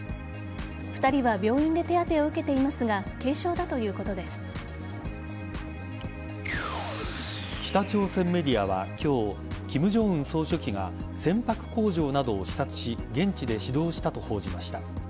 ２人は病院で手当てを受けていますが北朝鮮メディアは今日金正恩総書記が船舶工場などを視察し現地で指導したと報じました。